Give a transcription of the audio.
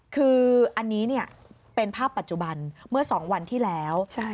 คืออันนี้เป็นภาพปัจจุบันเมื่อ๒วันที่แล้ว